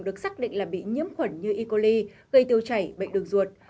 được xác định là bị nhiễm khuẩn như e coli gây tiêu chảy bệnh đường ruột